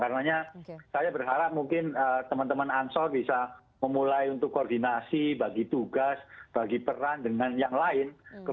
karena saya berharap mungkin teman teman ansol bisa memulai untuk koordinasi bagi tugas bagi peran dengan yang lain